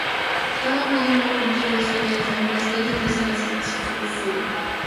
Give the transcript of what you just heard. Cada módulo contiene dos pequeñas láminas beta y tres enlaces disulfuro.